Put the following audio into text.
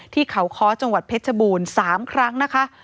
ที่เขาค้อจังหวัดเพชรบูรณ์๓ครั้งนะคะ